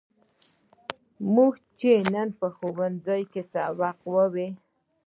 موږ چې نن په ښوونځي کې سبق وایو.